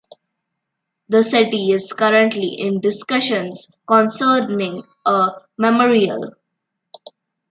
The city is currently in discussions concerning a memorial.